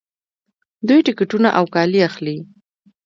دوی ټکټونه او کالي اخلي.